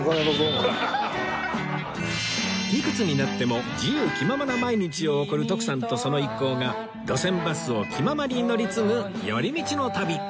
いくつになっても自由気ままな毎日を送る徳さんとその一行が路線バスを気ままに乗り継ぐ寄り道の旅